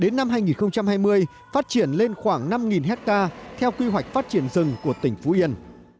đến năm hai nghìn hai mươi phát triển lên khoảng năm hectare theo quy hoạch phát triển rừng của tỉnh phú yên